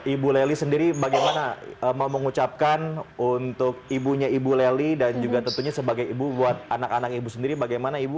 ibu leli sendiri bagaimana mau mengucapkan untuk ibunya ibu leli dan juga tentunya sebagai ibu buat anak anak ibu sendiri bagaimana ibu